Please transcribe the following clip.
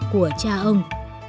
của cha ông